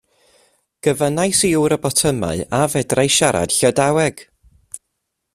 Gofynnais i ŵr y botymau a fedrai siarad Llydaweg.